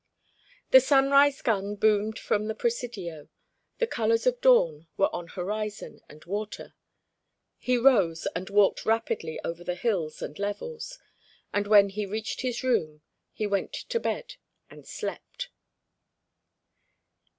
The sunrise gun boomed from the Presidio. The colours of dawn were on horizon and water. He rose and walked rapidly over the hills and levels; and when he reached his room, he went to bed and slept.